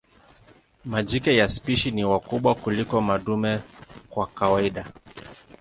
Majike ya spishi ni wakubwa kuliko madume kwa kawaida.